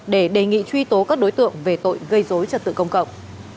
để đề nghị truy tố các đối tượng về tội gây dối trật tự công cộng